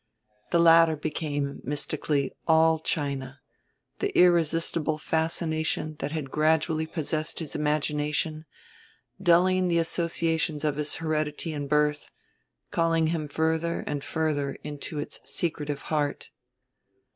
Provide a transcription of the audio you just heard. The latter became, mystically, all China, the irresistible fascination that had gradually possessed his imagination, dulling the associations of his heredity and birth, calling him further and further into its secretive heart.